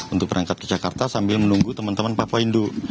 untuk berangkat ke jakarta sambil menunggu teman teman papua induk